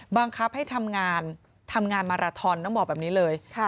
บังคับให้ทำงานมาราธรณต้องบอกแบบนี้เลย